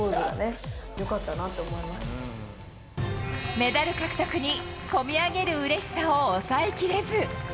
メダル獲得にこみ上げるうれしさを抑えきれず。